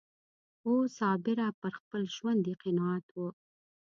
وو صابره پر خپل ژوند یې قناعت و